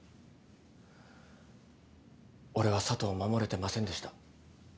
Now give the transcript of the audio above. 俺は佐都を守れてませんでした。